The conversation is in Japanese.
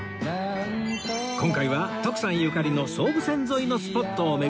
今回は徳さんゆかりの総武線沿いのスポットを巡る旅